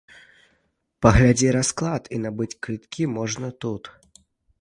Паглядзець расклад і набыць квіткі можна тут.